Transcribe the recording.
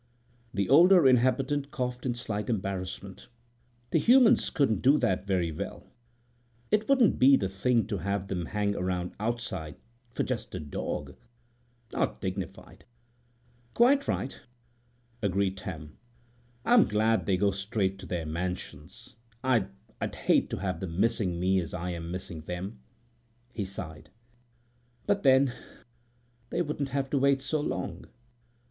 The older inhabitant coughed in slight embarrassment. "The humans couldn't do that very well. It wouldn't be the thing to have them hang around outside for just a dog—not dignified." "Quite right," agreed Tam. "I'm glad they go straight to their mansions. I'd—I'd hate to have them missing me as I am missing them." He sighed. "But, then, they wouldn't have to wait so long."